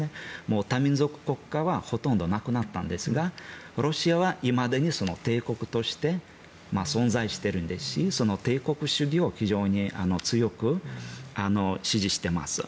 多民族国家はほとんどなくなったんですがロシアはいまだに帝国として存在していますしその帝国主義を非常に強く支持しています。